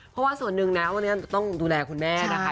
เพราะว่าส่วนหนึ่งนะวันนี้ต้องดูแลคุณแม่นะคะ